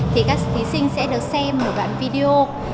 thì các thí sinh sẽ được xem một đoạn video